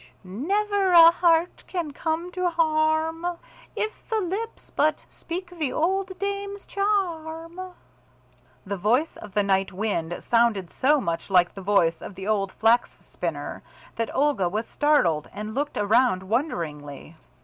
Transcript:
"Sh sh! Never a heart can come to harm, if the lips but speak the old dame's charm." The voice of the night wind sounded so much like the voice of the old Flax spinner, that Olga was startled and looked around wonderingly.